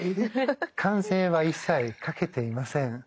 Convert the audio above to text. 関税は一切かけていません。